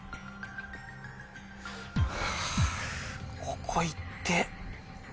フゥここ行って。